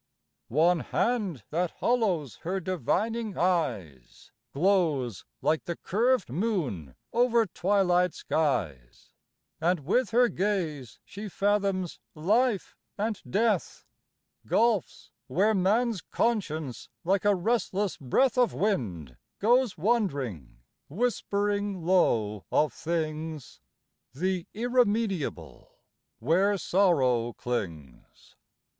One hand, that hollows her divining eyes, Glows like the curved moon over twilight skies; And with her gaze she fathoms life and death Gulfs, where man's conscience, like a restless breath Of wind, goes wand'ring; whispering low of things, The irremediable, where sorrow clings.